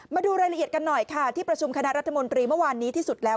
มาดูรายละเอียดกันหน่อยค่ะที่ประชุมคณะรัฐมนตรีเมื่อวานนี้ที่สุดแล้ว